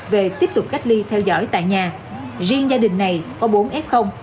về tiếp tục cách ly theo dõi tại nhà riêng gia đình này có bốn f